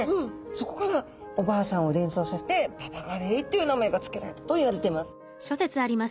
そこからおばあさんを連想させてババガレイっていう名前が付けられたといわれてます。